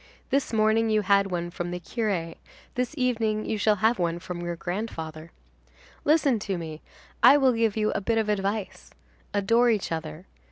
"This morning you had one from the curé, this evening you shall have one from your grandfather. Listen to me; I will give you a bit of advice: Adore each other.